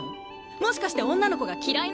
もしかして女の子が嫌いなの？